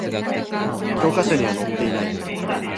教科書には載っていない